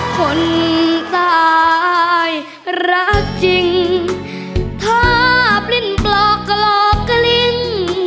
คนตายรักจริงถ้าปลิ้นปลอกหลอกกลิ้ง